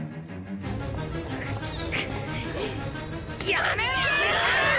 やめろ！